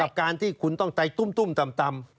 กับการที่คุณต้องไตตุ้มต่ำ